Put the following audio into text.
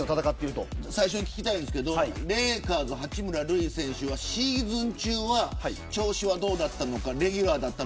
最初に聞きたいんですけどレイカーズの八村選手はシーズン中の調子はどうだったのか。